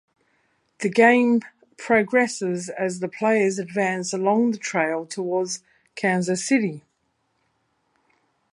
The game progresses as the players advance along the trail toward Kansas City.